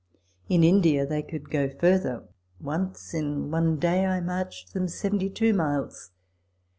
In India they could go further. Once in one day I marched them seventy two miles.